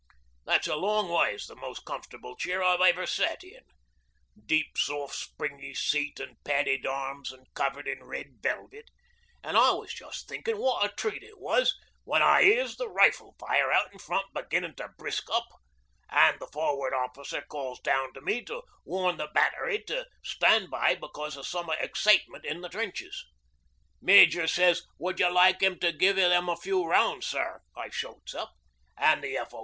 That's a long ways the most comfortable chair I've ever sat in deep soft springy seat an' padded arms an' covered in red velvet an' I was just thinkin' what a treat it was when I hears the rifle fire out in front beginnin' to brisk up, an' the Forward Officer calls down to me to warn the Battery to stand by because o' some excitement in the trenches. "Major says would you like him to give them a few rounds, sir," I shouts up, an' the F.O.